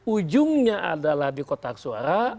ujungnya adalah di kota aksuara